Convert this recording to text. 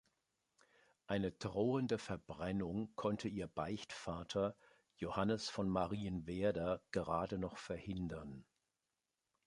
Eine drohende Verbrennung konnte ihr Beichtvater Johannes von Marienwerder gerade noch verhindern.